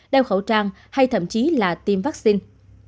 đeo khẩu trang hay thậm chí là tiêm vaccine